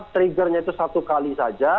triggernya itu satu kali saja